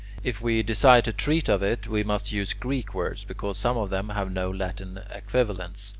If we desire to treat of it, we must use Greek words, because some of them have no Latin equivalents.